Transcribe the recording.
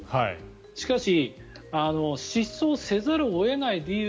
しかし、失踪せざるを得ない理由